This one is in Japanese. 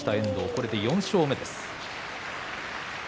これで４勝目です。